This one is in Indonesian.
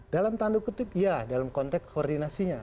dalam tanduk ketip ya dalam konteks koordinasinya